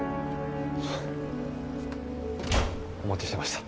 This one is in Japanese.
お待ちしてました。